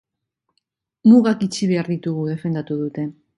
Mugak itxi behar ditugu, defendatu dute.